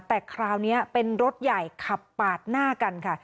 แต่คราวนี้เป็นรถใหญ่ขับปาดหน้ากันค่ะ